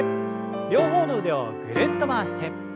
両方の腕をぐるっと回して。